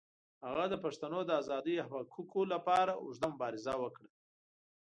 هغه د پښتنو د آزادۍ او حقوقو لپاره اوږده مبارزه وکړه.